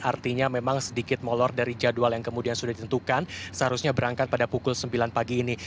artinya memang sedikit molor dari jadwal yang kemudian sudah ditentukan seharusnya berangkat pada pukul sembilan pagi ini